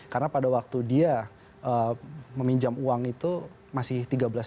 karena pada waktu dia meminjam uang itu masih tiga belas tiga ratus